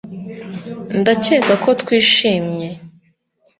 Ndakeka ko twishimye